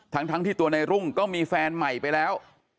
ทั้งที่ตัวในรุ่งก็มีแฟนใหม่ไปแล้ว